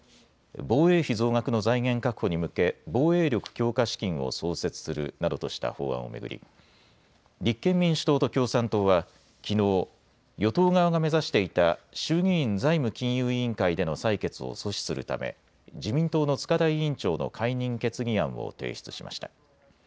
防衛費増額の財源確保に向け防衛力強化資金を創設するなどとした法案を巡り、立憲民主党と共産党はきのう、与党側が目指していた衆議院財務金融委員会での採決を阻止するため自民党の塚田委員長の解任決議案を提出しました。